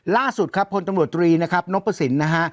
ล่าสุดครับพลตำรวจตรีนะครับนพสินนะฮะ